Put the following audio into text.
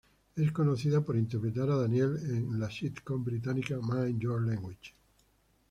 Es conocida por interpretar a Danielle en la sitcom británica "Mind Your Language".